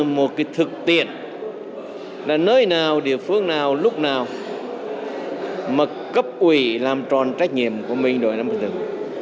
một cái thực tiện là nơi nào địa phương nào lúc nào mà cấp ủy làm tròn trách nhiệm của mình đối với năm hai nghìn một mươi bốn